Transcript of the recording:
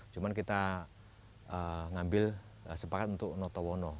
cuma kita ngambil sepakat untuk notowono